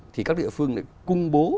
thì các địa phương lại cung bố